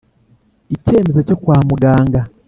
icyemezo cyo kwa muganga